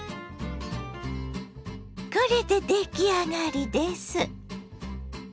これで出来上がりです。